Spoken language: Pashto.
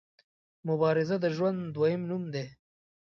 مبارزه د ژوند دویم نوم دی.